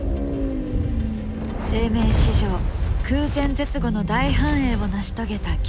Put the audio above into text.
生命史上空前絶後の大繁栄を成し遂げた恐竜たち。